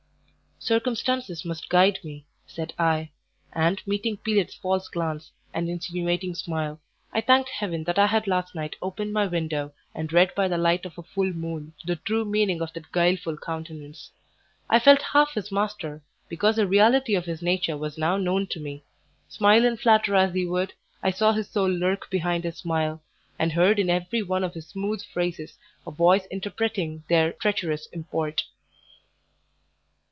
"Circumstances must guide me," said I; and meeting Pelet's false glance and insinuating smile, I thanked heaven that I had last night opened my window and read by the light of a full moon the true meaning of that guileful countenance. I felt half his master, because the reality of his nature was now known to me; smile and flatter as he would, I saw his soul lurk behind his smile, and heard in every one of his smooth phrases a voice interpreting their treacherous import.